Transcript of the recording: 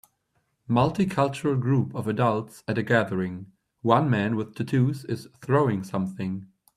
Multicultural group of adults at a gathering, one man with tattoos is throwing something.